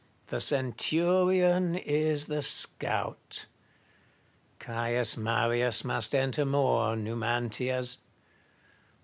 the centurion is the scout ! Caius Marius must enter more Numantias.